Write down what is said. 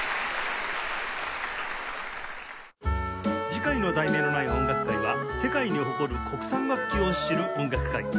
次回の『題名のない音楽会』は「世界に誇る国産楽器を知る音楽会」